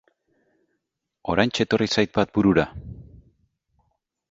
Oraintxe etorri zait bat burura!